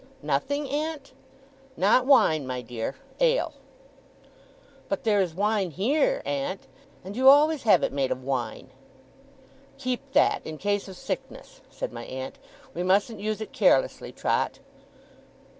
'Nothing, aunt?' 'Not wine, my dear. Ale.' 'But there is wine here, aunt. And you always have it made of wine.' 'Keep that, in case of sickness,' said my aunt. 'We mustn't use it carelessly, Trot.